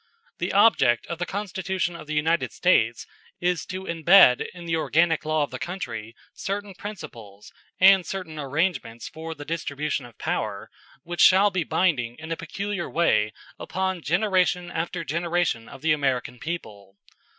The object of the Constitution of the United States is to imbed in the organic law of the country certain principles, and certain arrangements for the distribution of power, which shall be binding in a peculiar way upon generation after generation of the American people.